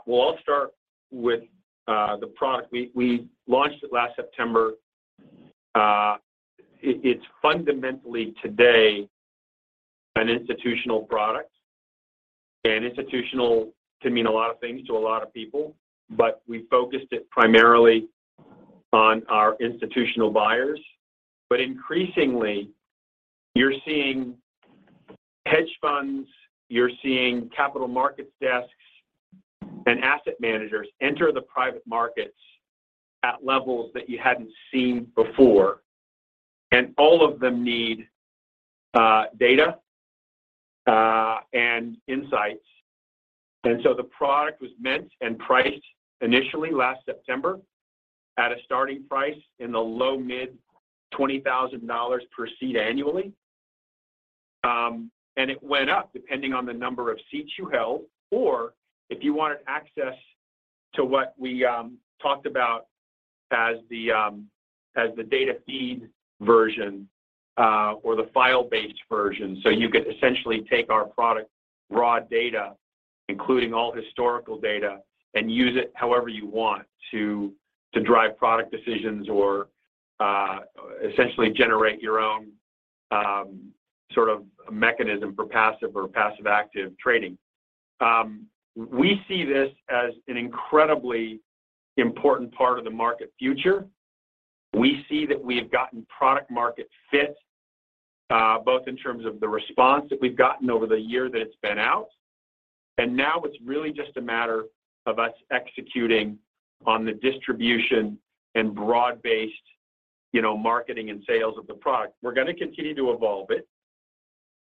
Well, I'll start with the product. We launched it last September. It's fundamentally today an institutional product. Institutional can mean a lot of things to a lot of people, but we focused it primarily on our institutional buyers. Increasingly, you're seeing hedge funds, you're seeing capital markets desks and asset managers enter the private markets at levels that you hadn't seen before. All of them need data and insights. The product was meant and priced initially last September at a starting price in the low to mid $20,000 per seat annually. It went up depending on the number of seats you held, or if you wanted access to what we talked about as the data feed version or the file-based version. You could essentially take our product raw data, including all historical data, and use it however you want to drive product decisions or, essentially generate your own, sort of mechanism for passive or passive-active trading. We see this as an incredibly important part of the market future. We see that we have gotten product market fit, both in terms of the response that we've gotten over the year that it's been out. Now it's really just a matter of us executing on the distribution and broad-based, you know, marketing and sales of the product. We're gonna continue to evolve it.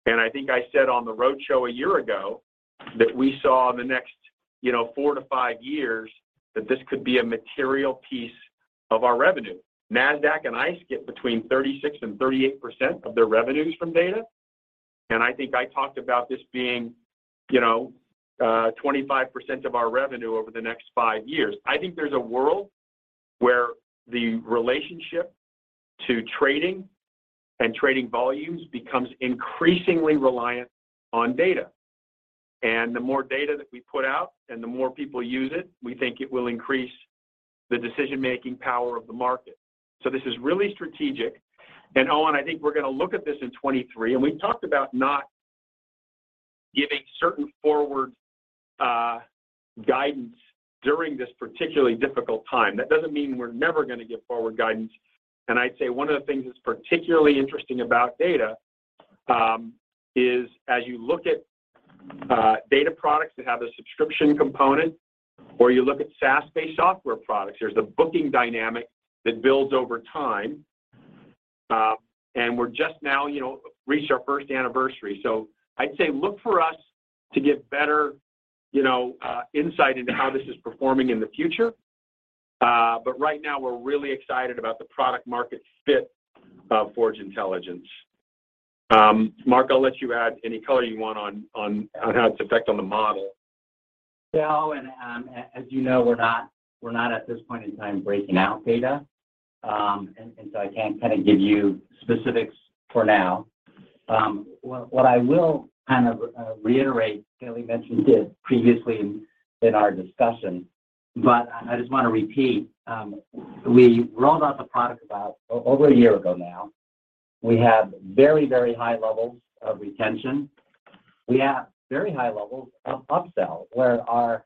I think I said on the road show a year ago that we saw in the next, you know, four to five years that this could be a material piece of our revenue. Nasdaq and ICE get between 36% and 38% of their revenues from data. I think I talked about this being, you know, 25% of our revenue over the next five years. I think there's a world where the relationship to trading and trading volumes becomes increasingly reliant on data. The more data that we put out and the more people use it, we think it will increase the decision-making power of the market. This is really strategic. Owen, I think we're gonna look at this in 2023, and we've talked about not giving certain forward guidance during this particularly difficult time. That doesn't mean we're never gonna give forward guidance. I'd say one of the things that's particularly interesting about data is as you look at data products that have a subscription component, or you look at SaaS-based software products, there's a booking dynamic that builds over time. We're just now reached our first anniversary. I'd say look for us to get better insight into how this is performing in the future. Right now, we're really excited about the product market fit of Forge Intelligence. Mark, I'll let you add any color you want on how its effect on the model. Yeah. Owen, as you know, we're not at this point in time breaking out data. So I can't kinda give you specifics for now. What I will kind of reiterate, Kelly Rodriques mentioned this previously in our discussion, but I just wanna repeat. We rolled out the product about over a year ago now. We have very high levels of retention. We have very high levels of upsell, where our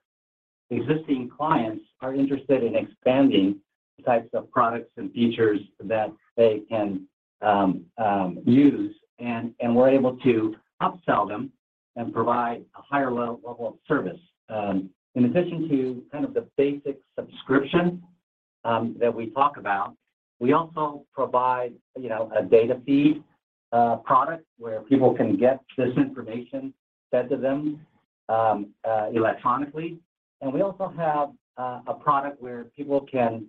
existing clients are interested in expanding the types of products and features that they can use. We're able to upsell them and provide a higher level of service. In addition to kind of the basic subscription that we talk about, we also provide, you know, a data feed product where people can get this information fed to them electronically. We also have a product where people can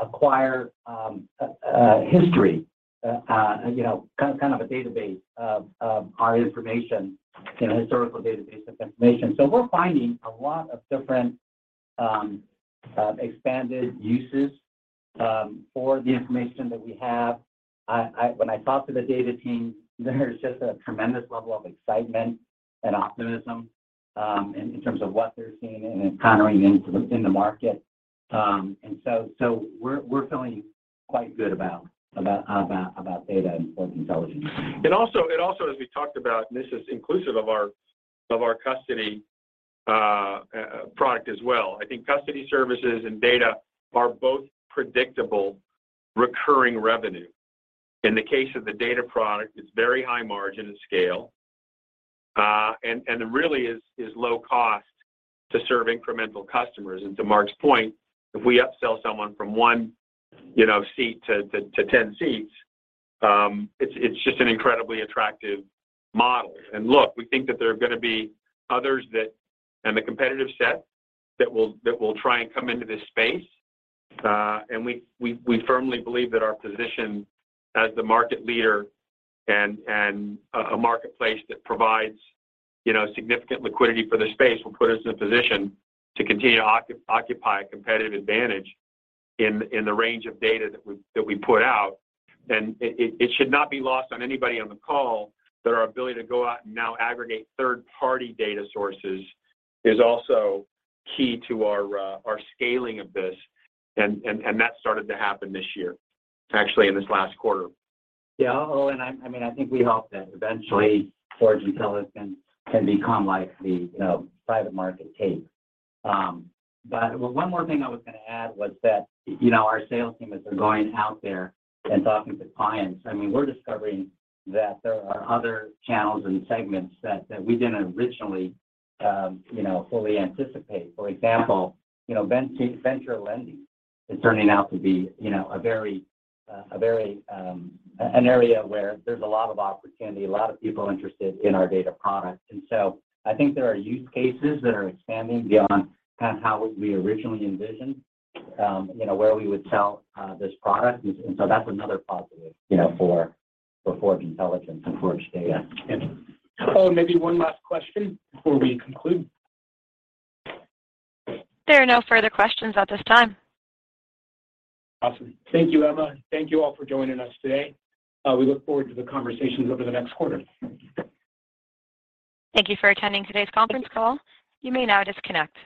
acquire a history, you know, kind of a database of our information, you know, historical database of information. We're finding a lot of expanded uses for the information that we have. When I talk to the data team, there's just a tremendous level of excitement and optimism in terms of what they're seeing and encountering in the market. We're feeling quite good about data and Forge Intelligence. As we talked about, this is inclusive of our custody product as well. I think custody services and data are both predictable recurring revenue. In the case of the data product, it's very high margin at scale, and it really is low cost to serve incremental customers. To Mark's point, if we upsell someone from 1, you know, seat to 10 seats, it's just an incredibly attractive model. Look, we think that there are gonna be others in the competitive set that will try and come into this space. We firmly believe that our position as the market leader and a marketplace that provides, you know, significant liquidity for the space will put us in a position to continue to occupy a competitive advantage in the range of data that we put out. It should not be lost on anybody on the call that our ability to go out and now aggregate third-party data sources is also key to our scaling of this. That started to happen this year, actually in this last quarter. Yeah. Oh, I mean, I think we hope that eventually Forge Intelligence can become like the, you know, private market tape. One more thing I was gonna add was that, you know, our sales team, as they're going out there and talking to clients, I mean, we're discovering that there are other channels and segments that we didn't originally, you know, fully anticipate. For example, you know, venture lending is turning out to be, you know, a very an area where there's a lot of opportunity, a lot of people interested in our data product. I think there are use cases that are expanding beyond kind of how we originally envisioned, you know, where we would sell this product. That's another positive, you know, for Forge Intelligence and Forge Data. Oh, maybe one last question before we conclude. There are no further questions at this time. Awesome. Thank you, Emma. Thank you all for joining us today. We look forward to the conversations over the next quarter. Thank you for attending today's conference call. You may now disconnect.